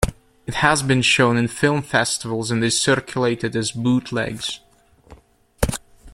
It has been shown in film-festivals and is circulated as Bootlegs.